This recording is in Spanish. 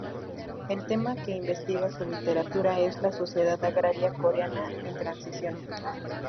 El tema que investiga su literatura es la sociedad agraria coreana en transición.